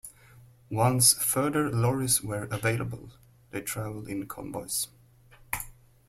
Once further lorries were available, they travelled in convoys.